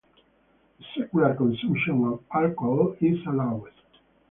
The secular consumption of alcohol is allowed.